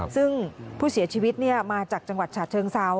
ซึ่งผู้เสียชีวิตมาจากจังหวัดฉะเชิงเซา